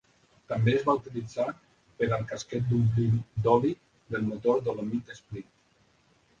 També es va utilitzar per al casquet d'omplir d'oli del motor Dolomite Sprint.